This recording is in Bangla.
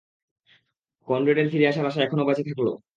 কনরেডের ফিরে আসার আশা এখনও বেঁচে থাকল।